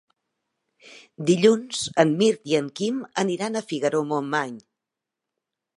Dilluns en Mirt i en Quim aniran a Figaró-Montmany.